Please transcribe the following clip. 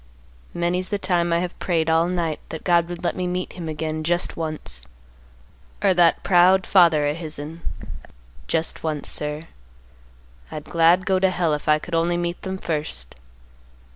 Many's the time I have prayed all night that God would let me meet him again just once, or that proud father of his'n, just once, sir; I'd glad go to Hell if I could only meet them first.